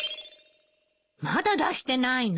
まだ出してないの？